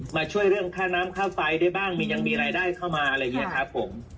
มาช่วยเรื่องค่าน้ำค่าไฟได้บ้างมียังมีรายได้เข้ามาอะไรอย่างนี้ครับผม